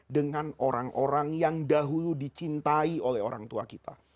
dengan orang orang yang dahulu dicintai oleh orang tua kita